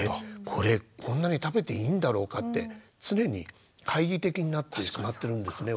これこんなに食べていいんだろうかって常に懐疑的になってしまってるんですね